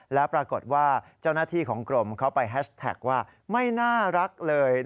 แล้วปรากฏว่าเจ้าหน้าที่ของกรมเขาไปแฮชแท็กว่าไม่น่ารักเลย